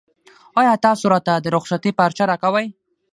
ایا تاسو راته د رخصتۍ پارچه راکوئ؟